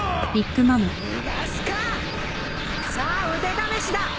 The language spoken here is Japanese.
さあ腕試しだ！